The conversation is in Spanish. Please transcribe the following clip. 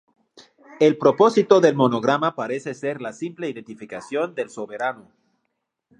El propósito del monograma parece ser la simple identificación del soberano.